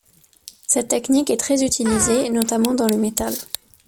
Cette technique est très utilisée notamment dans le metal.